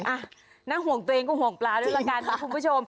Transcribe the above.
น้องห่วงตัวเองก็ห่วงปลาด้วยละกันขอบคุณผู้ชม